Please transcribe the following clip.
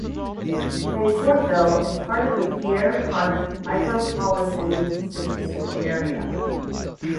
Paincourtville is part of the Pierre Part Micropolitan Statistical Area.